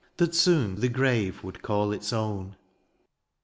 That soon the grave would call its own.